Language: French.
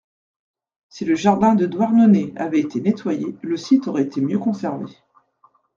Si le jardin de Douarnenez avait été nettoyé le site aurait été mieux conservé.